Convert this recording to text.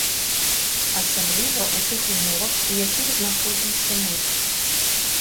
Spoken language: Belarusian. Асабліва ў тых умовах, у якіх знаходзімся мы.